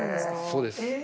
そうです。